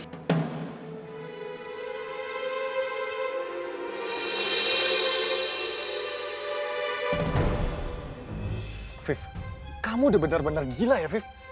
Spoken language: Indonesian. hafif kamu udah benar benar gila ya hafif